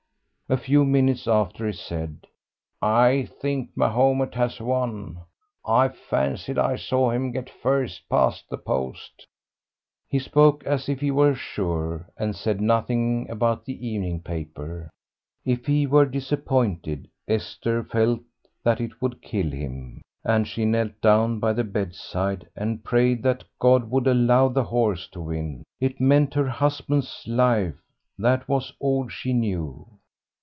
A few minutes after he said, "I think Mahomet has won. I fancied I saw him get first past the post." He spoke as if he were sure, and said nothing about the evening paper. If he were disappointed, Esther felt that it would kill him, and she knelt down by the bedside and prayed that God would allow the horse to win. It meant her husband's life, that was all she knew.